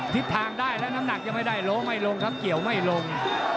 ทิศทางได้แล้วน้ำหนักยังไม่ได้โล้ไม่ลงครับเกี่ยวไม่ลง